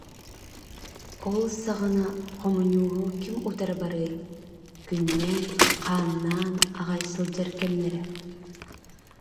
Ол саҕана хомуньууһу ким утары барыай, күннээн-хааннаан аҕай сылдьар кэмнэрэ